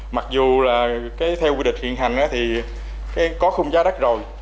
mặc dù là theo quy định hiện hành thì có khung giá đất rồi